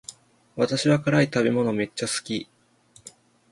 私は辛い食べ物めっちゃ好き